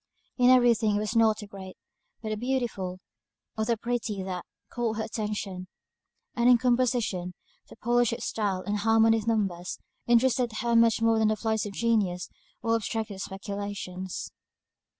In every thing it was not the great, but the beautiful, or the pretty, that caught her attention. And in composition, the polish of style, and harmony of numbers, interested her much more than the flights of genius, or abstracted speculations.